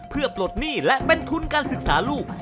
เพื่อปลดหนี้และเป็นทุนการศึกษาลูก